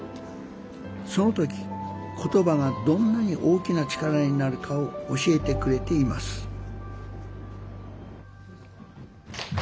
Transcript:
その時「言葉」がどんなに大きな力になるかを教えてくれていますえ